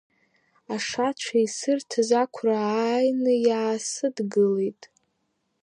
Ашацәа исырҭаз ақәра ааины иаасыдгылеит.